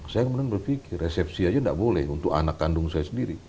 saya kemudian berpikir resepsi aja tidak boleh untuk anak kandung saya sendiri